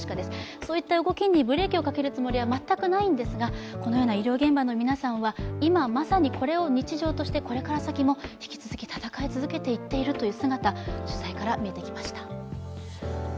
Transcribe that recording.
そういった動きにブレーキをかけるつもりは全くないんですがこのような医療現場の皆さんは今、まさにこれを日常としてこれから先も引き続き闘い続けて言っているという姿取材から見えてきました。